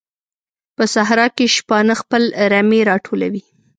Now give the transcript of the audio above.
په صحراء کې شپانه خپل رمې راټولوي.